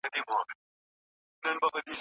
نن پښتون پر ویښېدو دی